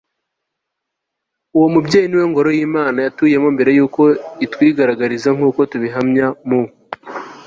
uwo mubyeyi ni we ngoro y'imana yatuyemo mbere y'uko itwigaragariza, nkuko tubihamya mu